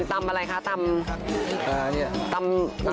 ตำอะไรคะตำอีสาน